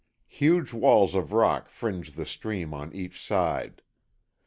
Huge walls of rock fringe the stream on each side.